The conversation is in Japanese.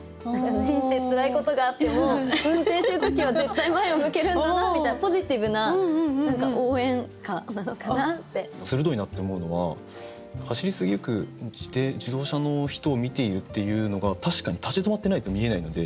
人生つらいことがあっても運転してる時は絶対前を向けるんだなみたいな鋭いなと思うのは走り過ぎ行く自動車の人を見ているっていうのが確かに立ち止まってないと見えないので。